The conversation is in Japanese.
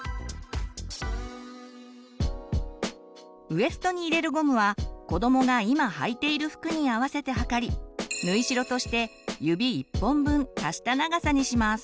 ウエストに入れるゴムはこどもが今はいている服に合わせて測り縫い代として指１本分足した長さにします。